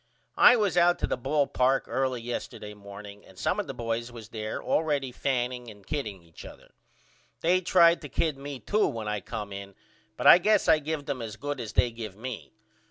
I was out to the ball park early yesterday morning and some of the boys was there allready fanning and kidding each other. They tried to kid me to when I come in but I guess I give them as good as they give me.